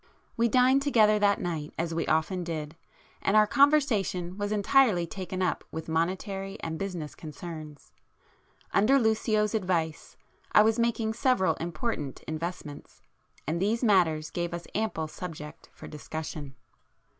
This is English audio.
We dined together that night as we often did, and our conversation was entirely taken up with monetary and business concerns. Under Lucio's advice I was making several important investments, and these matters gave us ample subject for discussion.